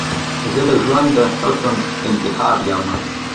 زه دژوند د حسن انتخاب یمه